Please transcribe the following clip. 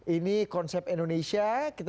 ini konsep indonesia